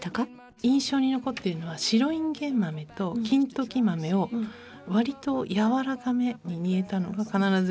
印象に残っているのは白いんげん豆と金時豆をわりとやわらかめに煮えたのが必ず。